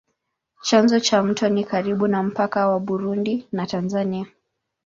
Chanzo cha mto ni karibu na mpaka wa Burundi na Tanzania.